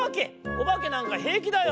おばけなんかへいきだよ」。